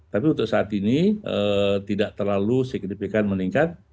tapi untuk saat ini tidak terlalu signifikan meningkat